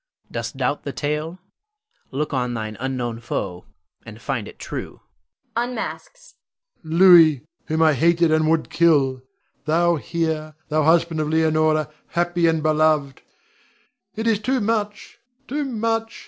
Dost doubt the tale? Look on thine unknown foe, and find it true [unmasks]. Rod. Louis, whom I hated, and would kill, thou here, thou husband of Leonore, happy and beloved! It is too much, too much!